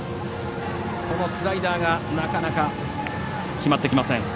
スライダーがなかなか決まってきません。